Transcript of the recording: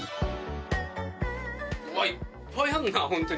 いっぱいあるなホントに。